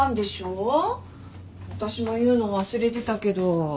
私も言うの忘れてたけど。